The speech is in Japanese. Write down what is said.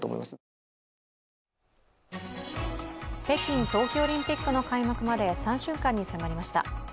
北京冬季オリンピックの開幕まで３週間に迫りました。